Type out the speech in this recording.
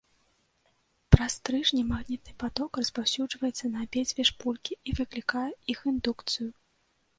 Праз стрыжні магнітны паток распаўсюджваецца на абедзве шпулькі і выклікае іх індукцыю.